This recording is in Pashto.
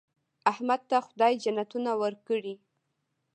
احمد ته خدای جنتونه ورکړي.